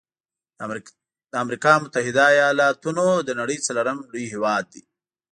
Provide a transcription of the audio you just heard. د امريکا متحده ایلاتونو د نړۍ څلورم لوی هیواد دی.